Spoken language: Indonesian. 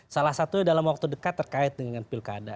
salah satunya dalam waktu dekat terkait dengan pilkada